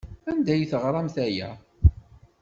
Anda ay teɣramt aya?